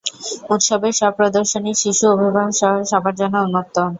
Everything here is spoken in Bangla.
উৎসবের সব প্রদর্শনী শিশু, অভিভাবকসহ সবার জন্য উন্মুক্ত।